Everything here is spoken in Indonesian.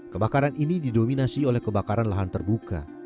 kebakaran ini didominasi oleh kebakaran lahan terbuka